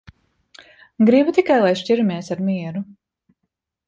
Gribu tikai, lai šķiramies ar mieru.